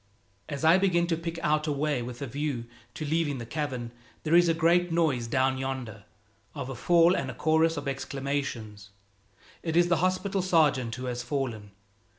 As I begin to pick out a way with a view to leaving the cavern, there is a great noise down yonder of a fall and a chorus of exclamations. It is the hospital sergeant who has fallen.